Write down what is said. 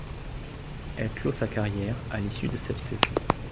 Elle clôt sa carrière à l'issue de cette saison.